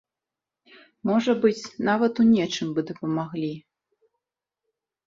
Можа быць, нават у нечым бы дапамаглі.